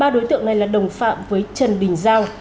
ba đối tượng này là đồng phạm với trần đình giao